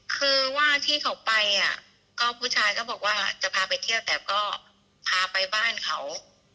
คือว่าที่เขาไปอ่ะก็ผู้ชายก็บอกว่าจะพาไปเที่ยวแต่ก็พาไปบ้านเขา